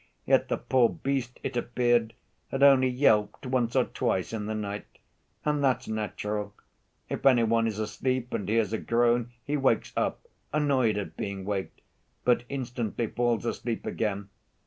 Yet the poor beast, it appeared, had only yelped once or twice in the night. And that's natural. If any one is asleep and hears a groan he wakes up, annoyed at being waked, but instantly falls asleep again.